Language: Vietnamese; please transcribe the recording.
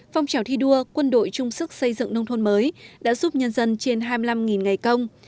phong trào thi đua quân đội trung sức xây dựng nông thôn mới đã giúp nhân dân trên hai mươi năm ngày công